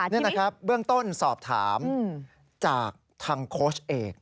นี่นะครับเบื้องต้นสอบถามจากทางโค้ชเอก